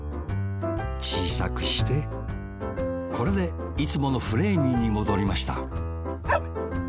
ちいさくしてこれでいつものフレーミーにもどりましたワン！